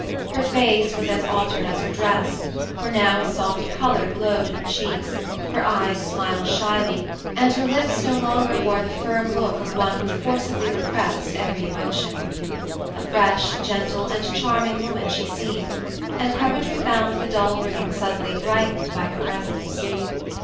Her face was as altered as her dress, for now a soft color glowed in her cheeks, her eyes smiled shyly, and her lips no longer wore the firm look of one who forcibly repressed every emotion. A fresh, gentle, and charming woman she seemed, and Coventry found the dull room suddenly brightened by her presence.